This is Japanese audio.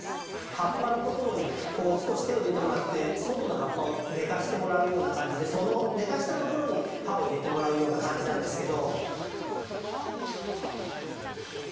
葉っぱのところにこう少し手を入れてもらって外の葉っぱを寝かしてもらうような感じでその寝かしたところに刃を入れてもらうような感じなんですけど。